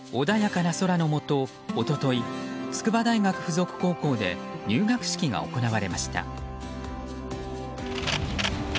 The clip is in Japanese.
穏やかな空のもと、一昨日筑波大学附属高校で入学式が行われました。